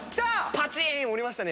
パチーン降りましたね